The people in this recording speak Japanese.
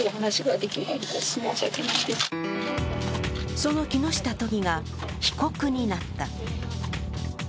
その木下都議が被告になった。